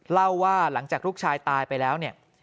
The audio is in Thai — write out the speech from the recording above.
เล่าว่าหลังจากลูกชายตายไปแล้วเนี่ย